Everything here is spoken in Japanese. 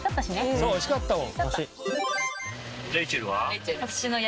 そう惜しかったもん。